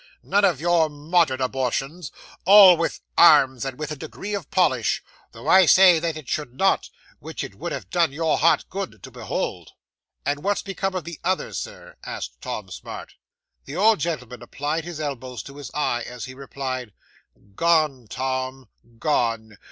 None of your modern abortions all with arms, and with a degree of polish, though I say it that should not, which it would have done your heart good to behold." '"And what's become of the others, Sir?" asked Tom Smart 'The old gentleman applied his elbow to his eye as he replied, "Gone, Tom, gone.